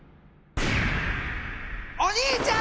お兄ちゃん！